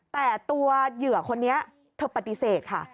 แต่ตัวเหยื่อคนนี้เธอปฏิเสธค่ะ